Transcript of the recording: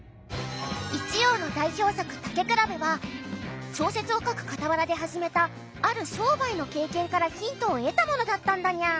一葉の代表作「たけくらべ」は小説を書くかたわらで始めたある商売の経験からヒントを得たものだったんだにゃ。